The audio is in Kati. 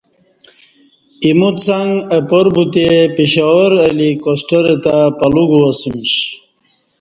ایمو څݣ اپاربوتے پشاور اہ لی کوسٹر تہ پلوگوا سیمش